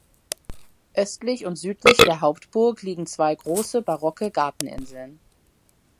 Östlich und südlich der Hauptburg liegen zwei große barocke Garteninseln.